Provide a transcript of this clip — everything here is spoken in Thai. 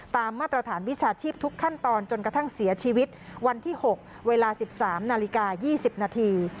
มาตรฐานวิชาชีพทุกขั้นตอนจนกระทั่งเสียชีวิตวันที่๖เวลา๑๓นาฬิกา๒๐นาที